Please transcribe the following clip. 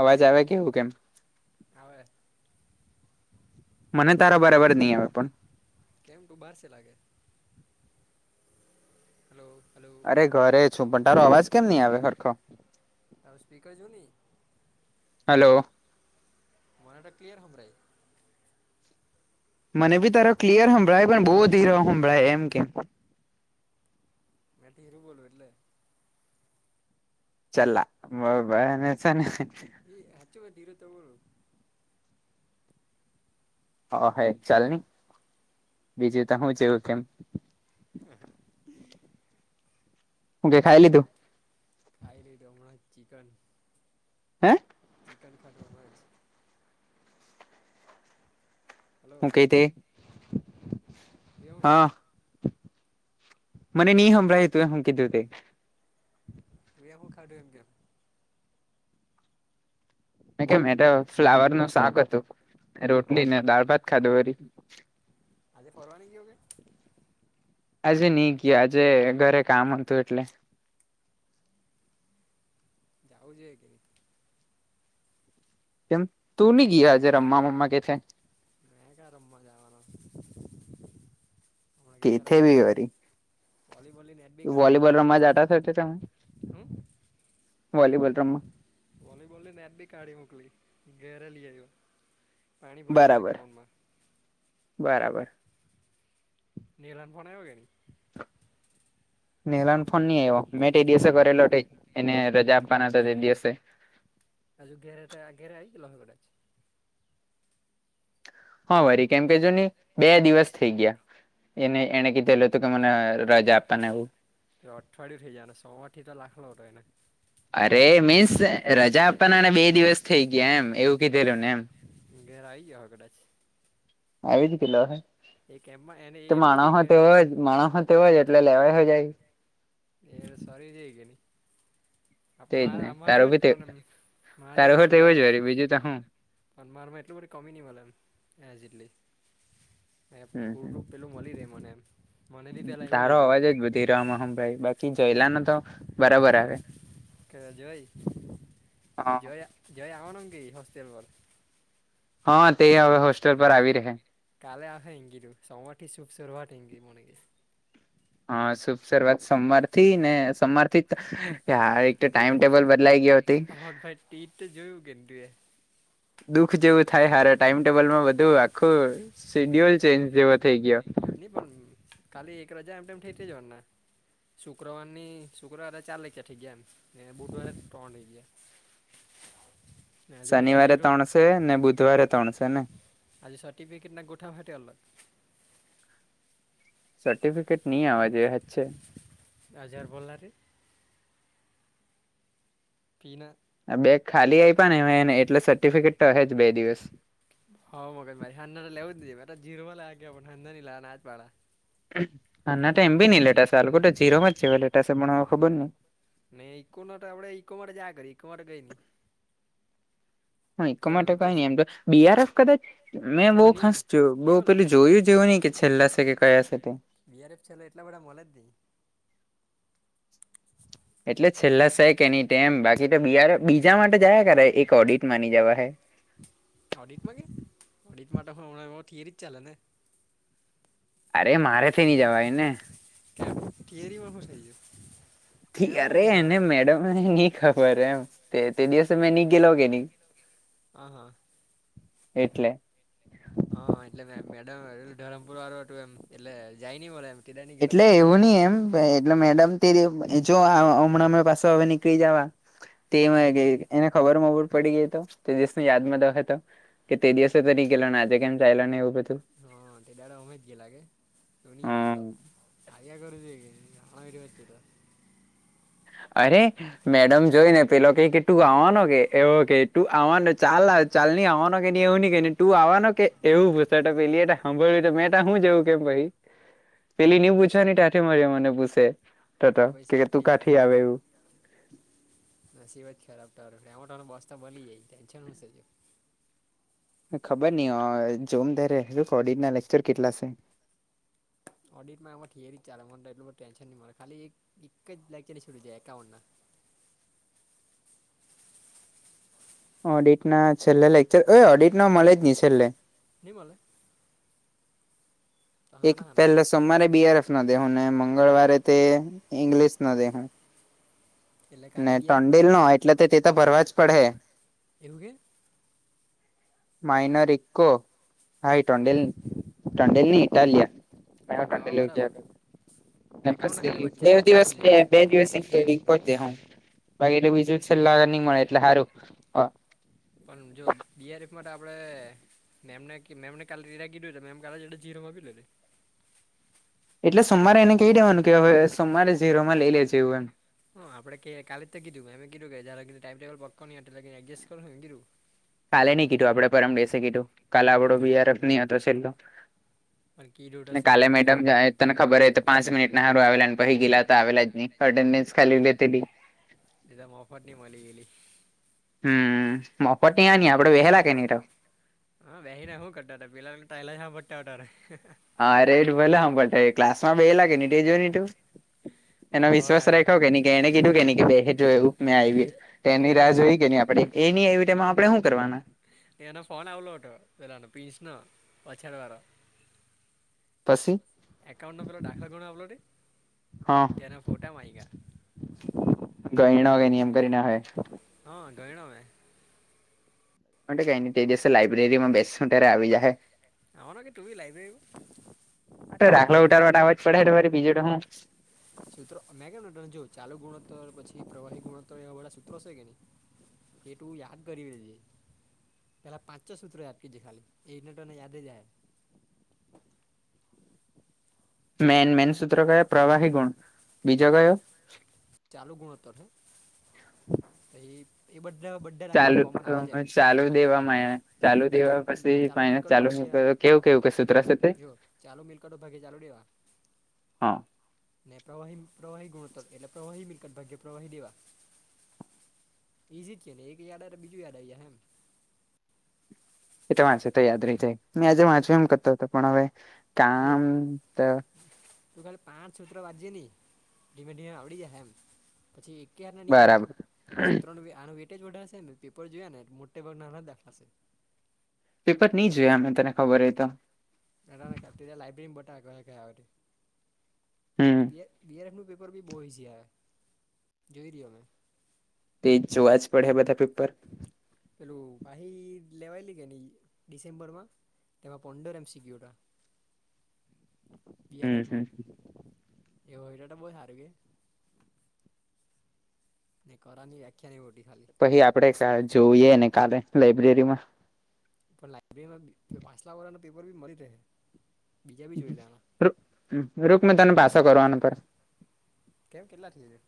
અવાજ આવે કેવું કેમ. આવે. મને તારા બરાબર નહી આવે પણ. કેમ ટું બહારસે લાગે. Hello hello. અરે ઘરે છું પણ તારો અવાજ કેમ ની આવે હરખો. તારૂ સ્પીકર જો ની. હલો. મનેતો ક્લિયર હભરાય. મને બી તારો ક્લિયર હંભળાય પણ બહુ ધીરા હભળાય એમ કેમ. મેં ઘીરૂ બોલું એટલે. ચલા મારો ભાઈ એને છે ને. એ હચું વ ધીરો બોલુ. ઓ હ ચાલ ન બીજું તો હું જેવું કેમ. હે હા. તે આ તો ખાઈ લીધું. ખાઈ લીઘુ હમણા જ ચિકન. હે? કન ખાઘુ માં છે હલો હું કઈ તે. તુંએ હું હા ખાધું મને ની હાભળાયે તું એ હું કીધું તે. રુઈયા હું ખાડું એમગેલ મે કે મેતો ફ્લાવર નું શાક હતું રોટલી ને દાળ ભાત ખાધું વરી. આજે ફરવાની કેયો કે? આજે નહી ગયા આજે ઘરે કામ હતું એટલે. જાઉજ જુએ કે ની. કેમ તું નની ગયાજે રમ્મા મમ્મા કે છે મે ક્યા રમવા જાવાનો છે [unintelligible] કેથે બી રમવાની વરી મળે. વોલીબોલ ની [unintelligible] વોલીબોલ રમવા જતા છ તમે હમ વોલીબોલ રમવા વોલીબોલ ની નેટ બી કાઢી મોકલી ઘેરેલી લીઆઈઓ બરાબર બરાબર નિનીલાન ફોણે હોગયા ન નેલા ફોન નઈ આવ્યો મેં તે દિવસે કરેલો એને રજા આપવાના હતા તે દિવસે આજ ઘેરે ઘરે આવીઈ લંગગડડા છે હા વરી કેમ કે જો નહી બે દિવસ થઈ ગયા એને એણેકી દલો ત કે મને રજા આપપનેવું તો અઠવાળી તેની જવાનું સોમવાર ઠી તો લાખલો હતો એને અરે મીન્સ રજા આપવાનાને બે દિવસ થઈ ગયા એમ એવું કીધેલું ને એમ ઘેરે‌ આવી ગીયો અહે કડાચ આવીજ ગેલો હશ એ કેમ્પમાં એને એ તો એમ નહી કઈ માણહ કે તેવ જ માણહ હો તેવ જ એટલે લેવાય હો જાય એ તો સારી જઈ કેની તેજ ને આરે જેવ તારું જ બી તે પણ મારા તારું હો જેવું પણ મે તેવું જ વરી બીજું તો હું પણ મારમાં એટલું બધું કમી નહીં મળે એમ જેટલી મે હમ હમ પૂર પેલું મળી રહેે મને એમ મનેબી પેલા એવું જ હતુ તરમહમ ભાઈ બાકી જયલા ન તો બરાબર આવે આવે કે જય હ જય જય આવનો ક હોસ્ટલ પર હા તે હવે હોસ્ટેલ પર આવી રેહે કાલે આવહે એમ કિધુ સમવારથી શુભસુરવાત એમ કેય મને કેય હા શુભ શરૂઆત સોમવાર થી ને સોમવાર થીજ એભાઈ ટીટ જોયું કે તું એ દુઃખ જેવું થાય હારા ટાઈમટેબલમાં બધું આખું સેડ્યુલ ની પણ ખાલી એક રાજ એમ ટેમ થેઈ ટેજ વાનના શુક્રવારની શુક્રવારે ચાલે કયાઠઈ ગયા એમ ને બુધવારે ત્રણ થઈ ગયા [inaudible] શનિવારે જીરો ત્રણસે ને બુધવારે ત્રણસે ને આજ સર્ટફિકેટ ના ગઠાવહે તે અલગ સર્ટિફિકેટ ની આવા જોઈએ હાચે હજાર ભરેલા તે ફીના બેગ ખાલી આઈપ નેને એટલે સર્ટિફિકેટ તો અહેજ બે દિવસ હ મગજ મારી હાંનેજના લેવ જ દીજે મા જીરમાં લાગ પણ હા લાવ નાજ પાડા હાજના તો એમ બી નઈ લેટાશે આલોકો ત જીરોમાં જેવા લેટાશે પણ હવે ખબર નહી નહી ઇકોના આપણે ઈકો માટે જા કરી ઈકો માટે ગઈ ન હાય કમાતો કઈ નઈ એમ તો બી આર એફ કદાચ મેં બહુ છેલ્લા નહીં ખાસ જોયું નહીં બહું બોલે પેલું જોયું જેવો ની કે છેલ્લા સે કે કયા સે તે બીઆરએફ છેલ્લે એટલા બધા મલે જ ની એટલે છેલ્લા સે કે એની ટેમ બાકી તો બાર બીજા માટે જયા કર એક ઓડિટ માની જવા હે ઓડિટમાં કે ને ઓડિટ માટે તો હણા એ થિયરી જ ચાલે ને અરે મારેથી ની જવાય ને કેરી માં હસાઈજ એમ ઊઘ આવે મ નની ખબર એમ તે દિવસે મે નની ગેલો કે ન આ હા એટલે હા એટલે મેડમ ધરમપુર વાળું હતુ, એમ એટલે જાય નહ બો એમ તે દાડ ની ગેલો એટલે કે એવું ની એમ એટલે મેડમ તે જો હમણાં હમ, પાછ હવે નીકળી જવા તે હમ એને ખબરમાંબર પડી ગઈ તો તે દેશને યાદમાં દખે તો કે તે દિવસો તો ની ગેલા ને આજે કેમ ચાયલો ને એવું બધુ એ ઉઠલા આયા કરર છે હણારી વા તો અરે મેડમ જોઈ ને પેલો ક કે તું આવવાનો કે એવો કે તું આવવાનો ચાલ ચાલની આવવા ના કેની એવ નની કે તું આવવાનો કે એવું પૂછ તો પેલી એ સાંભળ્યું મેં તો હું જેવું કેમ પહિ પેલી ને એટલે શક પૂછવાની તાઠ માર મને પૂછ એટલે કે તું કાઠથી આવે એવું નસીબત ખરાબ ટ છે એમાં ટર બસ તો ભલી જાય ટેન્શન હુંશેજ ખબર નહ જોમ ત ઓડિટ ના લેક્ચર કેટલા છે. ઓડિટમાં હયિંગ ચાલે મને એટલુંધ ટેન્શન નહી મળે ખાલી એક જ લાગ છોડી જાય એકાઉન્ટટ ના ઓડિટ ના છેલ્લે લેક્ચર ઓડિટ ન મોલેજ નહી છેલ્લે. નિ મળલ તો એક હાના હાના છે પહેલા સોમવારે બીઆરએફ ના દેહુ ને મંગળવારે તે ઈંગ્લિશ ના દેહુ એટલે ને કાલે બીઆરએફનો ટંડલ છે નો એમ એટલે તે તો ભરવા જ પડે એ રગ માઇનો રકો હાાઈ ટોન્ડલ ટોન્ડેલની ઇટાલિયા હા ક તો બરાબર એકાઉન્ટના નમસ્તે ખાલી વચ્ચે નેવ લેક્ચર દિવસ હોવું જોઈએ મે બે દિવસે બાકીલે બીજું છેલ્લા નહી મળે એટલે સારુ પણ જો બીઆરએફ માટે આપણેે મેમને મે કા રીરા ગીધ મેમ કા જીરો મા આપીધી એટલે સોમવારે એને કહી દેવાનું કે હવે સોમવારે જઝીરોમાં લઈ લેજે એવું એમ હા આપણે ક કાલે જ કીધું મેમે કીધું કે જય લ ટાઈમટેબલ પક્કો નહીટ એડજસ્ટ કરોું કીધુ કાલે નહી કીધું આપડે પરમ દસે કીધું કાલે આપણો બિારફ નહી હતો છેલ્લો. અનેકીટ કાલે મેડમ તને ખબર હો તો પાંચ મિનિટ ના હારુ, આવેલાને પછી ગીલા તો આવેલા જ નહી. અટેન્ડન્સ ખાલી તેલી એમ ઓફર નની મળી ગેલી. હમ મોપટ નહ આપડે વહેલા કે ન હા વસી ના હુ કરતા હતા પલા તાાઈલા જ પટ્ટાટારે હારે ર લ ક્લાસ માં બે લ કેજુ બહુ એના વિશ્વાસ ડાયલા રાખો કેને કે એને કીધું કેને કે બેટ મે તે એની તેનો રાહ ફો જોઈ કે નહી, આપે એની એમાં આપણે શું કરવાના નના ફોન આવવલોટ વલાનો પીન્ચના વછડવારા પછ એકાઉન્ટ નંબર દાખલ કર અપલોડે તેના ફોટા માગા ગય ન કેઈ નિયમ કરી ના હ હા ગયણમે માટે કઈ તે દિવસે લાઈબ્રેરીમાં બેસ ત્યારે આવી જાય. આવવાનો કે તું બી લાઇબ્રેરી રાખલો ઉઠારવા માટે આવવાજ પડે મારી બીજો હુ સૂત્ર મેગનટન જો ચાલુ ગુણોતર પછી પ્રવાહી ગુણોત્તર એવા વાળા સૂત્રો હશે કે નહીઈ એ તું યાદ કરી દેજે પહેલા પાં છ સૂત્ર આપટકી જે ખાલી એઇનેટ યાદે જાય મેન મેન સૂત્ર કયા પ્રવાહી ગુણ બીજો કયો ચાલુ ગુણોત્તર છે એ એ બધા બધા ચાલુ દાખલામાં કોમન આવે છે એમ ચાલુ દે મા ચાલુ ચા દેવા પછી મા મિલકતો ચાલુ મક ભાગ્યા કેવું કેવું કે સુત્રરાશે તે જો ચાલુ મિલકતો ભાગે ચાલુ દેવા હા ને પ્ર પ્રવાહી ગુણોતર એટલે પ્રવાહી મિલકત ભાગ્ય પ્રવાહી દેવા ઈજીી ક ને એક યાદ આવે બીજું યાદ આવી હમ એ તો વાંચું તો યાદ રહી જાય મે આજે તું વાંચું ખા એમ કરતો હતો પણ હવે જો કામ તું ખાલી પાંચ સુત્ર વાજયે નહી ધીમે ધીમે આવડી જાય એમ પછી એકાર ના નહં થ પછ બરાબર સ સુત્ર આ ને પેપર જોયા ને મોટા ભાગના નાના દાખલાશે પેપર નહી જોયા અમે તને ખબર હોય તો દા ત [unintelligible] લાઈબ્રેરી બટા ખયા હમ બીઆર નું પેપર બી બહુ ઇઝી આવે જોઈ રહ્યો મેં તે જોવા જ પડે બધા પેપર પેલું વાહી લેવાયેલી કી ને ડિસેમ્બર માં તેમાં પડોરમ શિકુટ હમ બીઆરફ હમ માં એવું એટલે બહુ સારું કે નહી કર નની વ્યાખ્યાનીહી બોટી ખાલી પછી આપડે જોઈએ ને કાલે લાઈબ્રેરીમાં પણ લાયબ્રેરી ના પાછલા વળના પેપર બી મળી રહે બીજા બી જોઈ લેવાના રુકમાં તને પાછો કરવાનો પ કેમ કેટલા થ છે